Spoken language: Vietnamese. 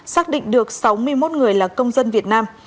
xác định được sáu mươi một người là công dân việt nam